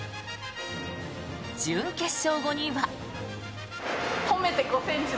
準決勝後には。